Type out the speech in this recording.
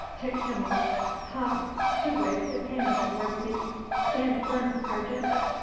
Tick him off. Ha, he waves his hand towards me! Stand firm, sergeant!